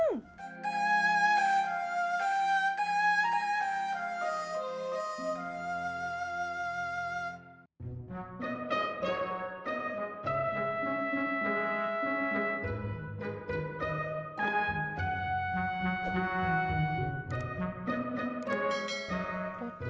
tuh tuh tuh